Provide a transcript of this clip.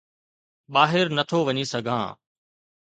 ٻاهر نه ٿو وڃي سگهان